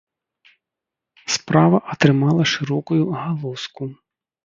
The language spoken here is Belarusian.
Справа атрымала шырокую агалоску.